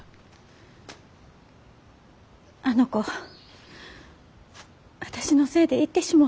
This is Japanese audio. あの子私のせいで行ってしもうた。